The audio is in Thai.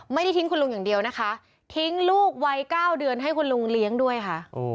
ไม่ได้ทิ้งคุณลุงอย่างเดียวนะคะทิ้งลูกวัย๙เดือนให้คุณลุงเลี้ยงด้วยค่ะ